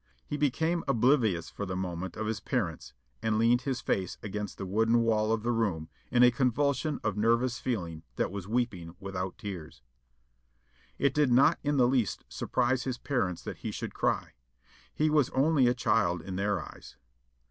He became oblivious for the moment of his parents, and leaned his face against the wooden wall of the room in a convulsion of nervous feeling that was weeping without tears. It did not in the least surprise his parents that he should cry he was only a child in their eyes.